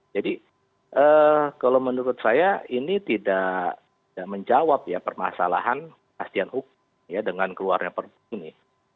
jadi kalau menurut saya ini tidak menjawab ya permasalahan kasihan hukum ya dengan keluarnya perpu ini